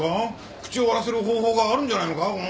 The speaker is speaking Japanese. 口を割らせる方法があるんじゃないのか？